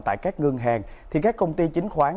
tại các ngân hàng thì các công ty chính khoán